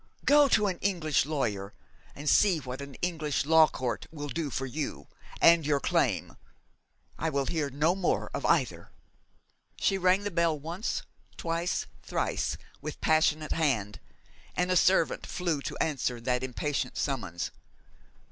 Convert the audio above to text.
Go to an English lawyer, and see what an English law court will do for you and your claim. I will hear no more of either.' She rang the bell once, twice, thrice, with passionate hand, and a servant flew to answer that impatient summons.